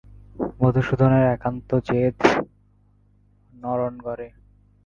মধুসূদনের একান্ত জেদ নুরনগরে।